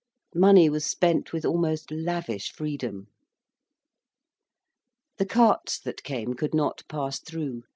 Money was spent with almost lavish freedom. The carts that came could not pass through.